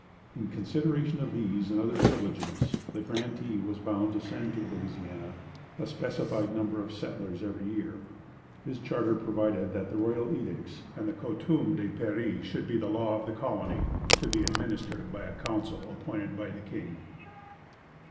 In consideration of these and other privileges, the grantee was bound to send to Louisiana a specified number of settlers every year. His charter provided that the royal edicts and the Coutume de Paris should be the law of the colony, to be administered by a council appointed by the King.